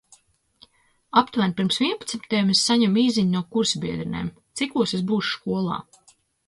Aptuveni pirms vienpadsmitiem es saņemu īsziņu no kursabiedrenēm – cikos es būšu skolā.